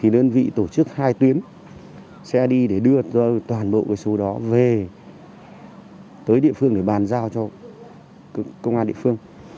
đơn vị tổ chức hai tuyến sẽ đi đưa toàn bộ số đó về địa phương để bàn giao cho công an địa phương